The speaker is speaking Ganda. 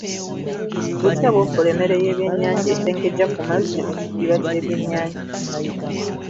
Butya bw'okola emmere y'ebyennyanja etengejja ku mazzi mu kidiba ky'ebyennyanja?